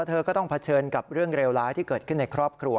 เธอก็ต้องเผชิญกับเรื่องเลวร้ายที่เกิดขึ้นในครอบครัว